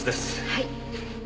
はい。